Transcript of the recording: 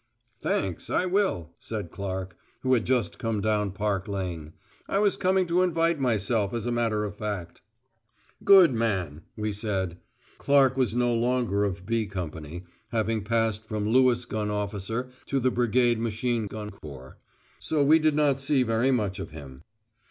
"Thanks, I will," said Clark, who had just come down Park Lane. "I was coming to invite myself, as a matter of fact." "Good man," we said. Clark was no longer of "B" Company, having passed from Lewis gun officer to the Brigade Machine gun Corps. So we did not see very much of him.